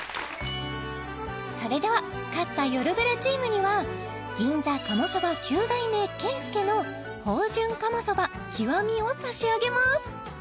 それでは勝ったよるブラチームには銀座鴨そば九代目けいすけのを差し上げます